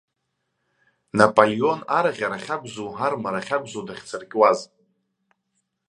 Наполеон арӷьарахь акәзу, армарахь акәзу дахьцыркьуаз?